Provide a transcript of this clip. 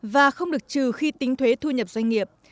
và không được trừ khi tính thuế thu nhập doanh nghiệp